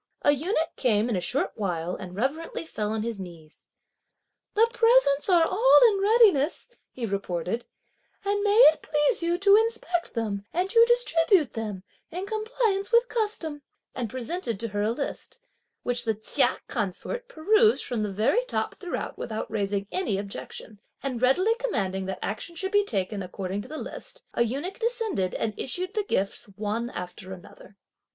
A eunuch came in a short while and reverently fell on his knees. "The presents are all in readiness," he reported, "and may it please you to inspect them and to distribute them, in compliance with custom;" and presented to her a list, which the Chia consort perused from the very top throughout without raising any objection, and readily commanding that action should be taken according to the list, a eunuch descended and issued the gifts one after another.